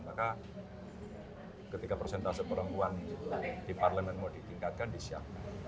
maka ketika persentase perempuan di parlemen mau ditingkatkan disiapkan